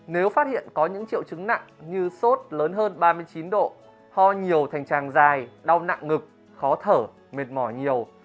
nếu phát hiện có những triệu chứng nặng như sốt lớn hơn ba mươi chín độ ho nhiều thành tràng dài đau nặng ngực khó thở mệt mỏi nhiều